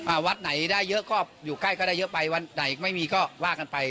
วัดไหนได้เยอะก็อยู่ใกล้ก็ได้เยอะไปวัดไหนไม่มีก็ว่ากันไป